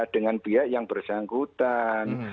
dengan pihak yang bersangkutan